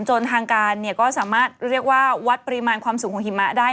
จนทางการก็สามารถเรียกว่าวัดปริมาณความสูงของหิมะได้